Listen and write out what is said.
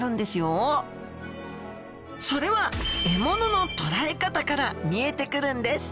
それは獲物のとらえ方から見えてくるんです。